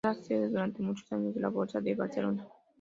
Fue la sede durante muchos años de la Bolsa de Barcelona.